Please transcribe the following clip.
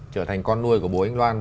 trở thành con nuôi của bố anh loan